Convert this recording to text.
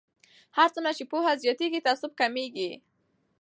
هر څومره چې پوهه زیاتیږي تعصب کمیږي.